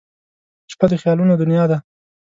• شپه د خیالونو دنیا ده.